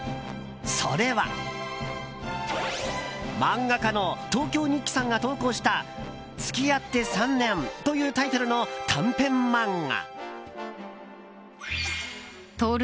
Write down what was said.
それは、漫画家の東京日記さんが投稿した「付き合って３年」というタイトルの短編漫画。